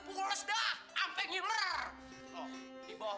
kayaknya gitu kan